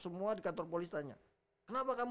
semua di kantor polis tanya kenapa kamu